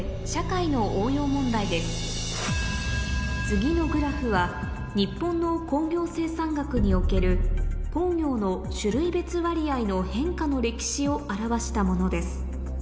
次のグラフは日本の工業生産額における工業の種類別割合の変化の歴史を表したものです